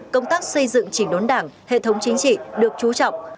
công tác xây dựng chỉnh đốn đảng hệ thống chính trị được chú trọng